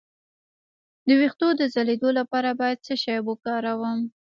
د ویښتو د ځلیدو لپاره باید څه شی وکاروم؟